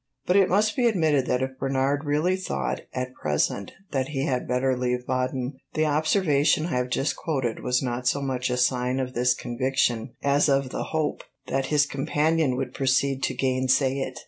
But it must be admitted that if Bernard really thought at present that he had better leave Baden, the observation I have just quoted was not so much a sign of this conviction as of the hope that his companion would proceed to gainsay it.